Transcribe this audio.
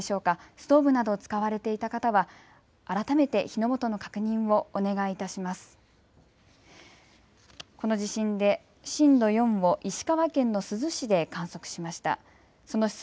ストーブなど使われれていた方は改めて火の元の確認をお願いいたします。